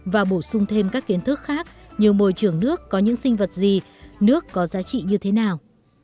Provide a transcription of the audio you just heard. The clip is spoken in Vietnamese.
và bổ sung thêm các kiến thức khác như môi trường nước có những sinh vật gì nước có giá trị như thế nào